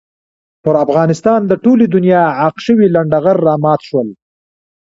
پر افغانستان د ټولې دنیا عاق شوي لنډه غر را مات شول.